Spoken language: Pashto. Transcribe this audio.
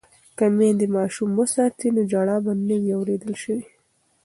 که میندې ماشوم وساتي نو ژړا به نه وي اوریدل شوې.